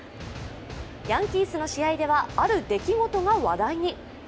ヤンキースの試合ではある出来事が話題に。